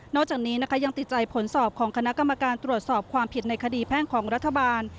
จากนี้นะคะยังติดใจผลสอบของคณะกรรมการตรวจสอบความผิดในคดีแพ่งของรัฐบาล